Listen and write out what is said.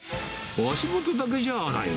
足元だけじゃない。